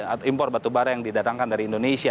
atau impor batubara yang didatangkan dari indonesia